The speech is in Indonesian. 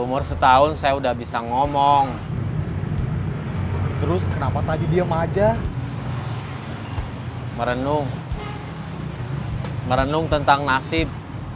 umur setahun saya udah bisa ngomong terus kenapa tadi diem aja merenung merenung tentang nasib